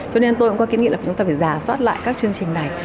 cho nên tôi cũng có kiến nghị là chúng ta phải giả soát lại các chương trình này